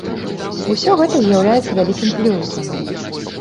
Усё гэта з'яўляецца вялікім плюсам.